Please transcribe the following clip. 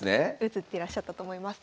映ってらっしゃったと思います。